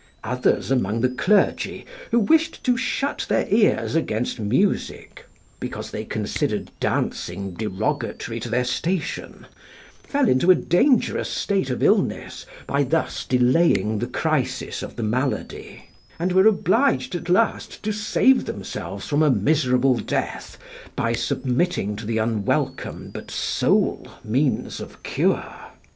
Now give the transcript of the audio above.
Others among the clergy, who wished to shut their ears against music, because they considered dancing derogatory to their station, fell into a dangerous state of illness by thus delaying the crisis of the malady, and were obliged at last to save themselves from a miserable death by submitting to the unwelcome but sole means of cure.